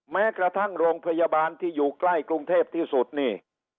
แม้กระทั่งโรงพยาบาลที่อยู่ใกล้กรุงเทพที่สุดนี่